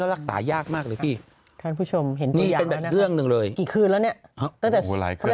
พี่หนุ่มเขาไปเยี่ยมคุณแม่